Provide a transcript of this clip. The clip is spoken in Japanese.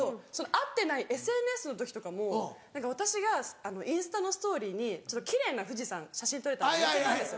会ってないＳＮＳの時とかも私がインスタのストーリーに奇麗な富士山写真撮れたんで載せたんです。